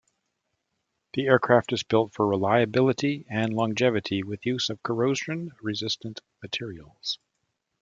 The aircraft is built for reliability and longevity, with use of corrosion-resistant materials.